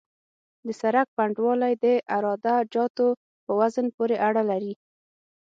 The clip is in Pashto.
د سرک پنډوالی د عراده جاتو په وزن پورې اړه لري